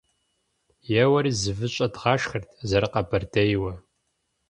- Еуэри, зы выщӀэ дгъашхэрт зэрыкъэбэрдейуэ.